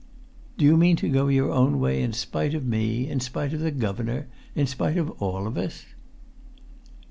"Do you mean to go your own way in spite of me, in spite of the governor, in spite of all of us?"